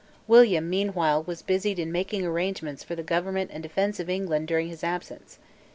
William meanwhile was busied in making arrangements for the government and defence of England during his absence.